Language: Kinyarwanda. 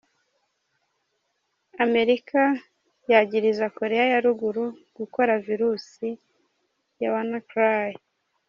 Amerika yagiriza Korea ya ruguru gukora virisi ya WannaCry.